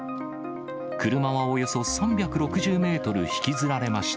車はおよそ３６０メートル引きずられました。